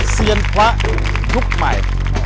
เซียนพระทุกข์ใหม่